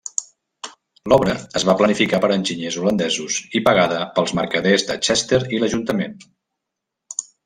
L'obra es va planificar per enginyers holandesos i pagada pels mercaders de Chester i l'ajuntament.